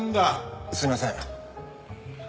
すいません。